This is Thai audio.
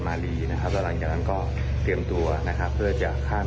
ลีนะครับแล้วหลังจากนั้นก็เตรียมตัวนะครับเพื่อจะข้าม